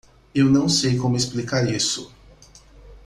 Eu não sei como explicar isso.